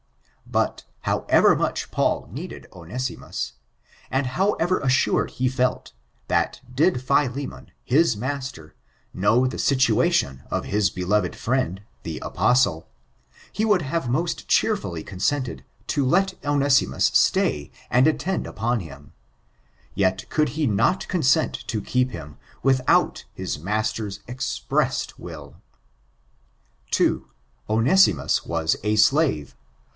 But, however much Paul needed Onesimus, and however assured he felt, that did Philemon, the master, know the situation of his beloved friend, the apostle, he would have most cheerfully consented to let Onesimus stay and attend upon him, yet could he not consent to keep him, without his master's eoDpressed will. 2» Onesimus was a slave.